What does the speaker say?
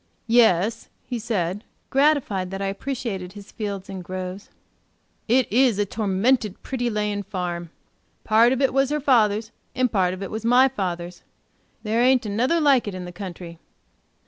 "Yes," he said, gratified that I appreciated his fields and groves, "it is a tormented pretty laying farm. Part of it was her father's, and part of it was my father's; there ain't another like it in the country.